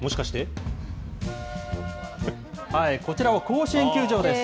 こちらは甲子園球場です。